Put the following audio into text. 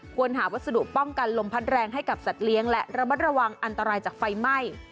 ควรหาวัสดุป้องกันลมพัดแรงให้กับสัตว์เลี้ยงและระมัดระวังอันตรายจากไฟไหม้